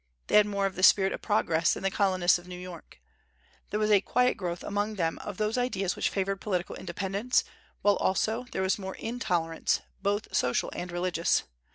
They had more of the spirit of progress than the colonists of New York. There was a quiet growth among them of those ideas which favored political independence, while also there was more intolerance, both social and religious.